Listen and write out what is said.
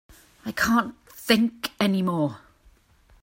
I can't think any more.